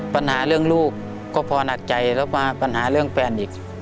ปัญหาเรื่องลูกก็พอหนักใจแล้วมาปัญหาเรื่องแฟนอีก